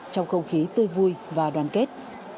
trong không khí tươi vui và đoàn kết